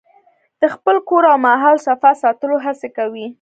د خپل کور او ماحول صفا ساتلو هڅې کوي.